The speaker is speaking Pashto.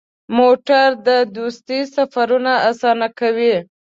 موټر د دوستۍ سفرونه اسانه کوي.